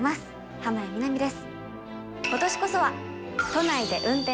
浜辺美波です。